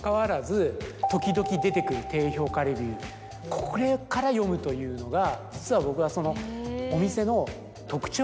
これから読むというのが実は僕はその。